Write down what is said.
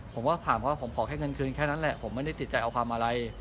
ผมก็ถามว่าผมขอแค่เงินคืนแค่นั้นแหละผมไม่ได้ติดใจเอาความอะไร